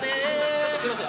ちょっとすみません。